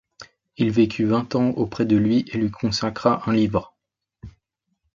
Il vécut vingt ans auprès de lui et lui consacra un livre.